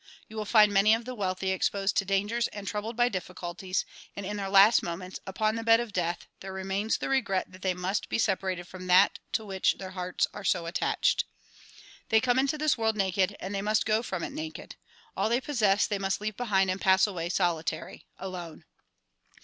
You will find many of the wealthy exposed to dangers and troubled by difficulties, and in their last moments upon the bed of death there remains the regret that they must be separated from that to which their hearts are so attached. They come into this world naked and they must go from it naked. All they possess they must leave behind and pass away solitary, alone.